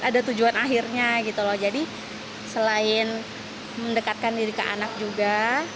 ada tujuan akhirnya gitu loh jadi selain mendekatkan diri ke anak juga